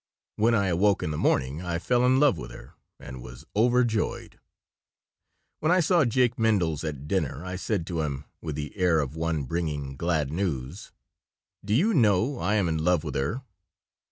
When I awoke in the morning I fell in love with her, and was overjoyed When I saw Jake Mindels at dinner I said to him, with the air of one bringing glad news: "Do you know, I am in love with her?"